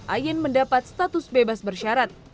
ayin mendapat status bebas bersyarat